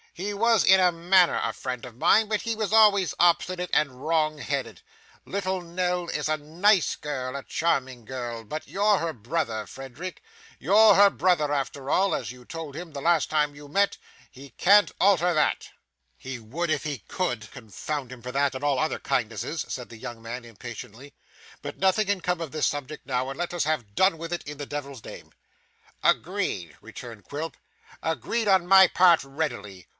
He was in a manner a friend of mine, but he was always obstinate and wrong headed. Little Nell is a nice girl, a charming girl, but you're her brother, Frederick. You're her brother after all; as you told him the last time you met, he can't alter that.' 'He would if he could, confound him for that and all other kindnesses,' said the young man impatiently. 'But nothing can come of this subject now, and let us have done with it in the Devil's name.' 'Agreed,' returned Quilp, 'agreed on my part readily.